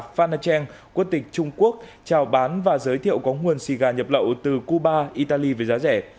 phanacheng quốc tịch trung quốc chào bán và giới thiệu có nguồn xì gà nhập lậu từ cuba italy với giá rẻ